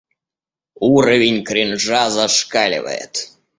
Уровень кринжа зашкаливает.